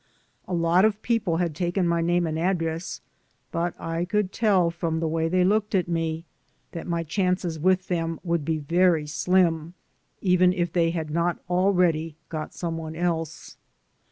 A lot of people had taken my name and address, but I could tell from the way they looked at me that my chances with them would be very slim even if they had not already got some one else.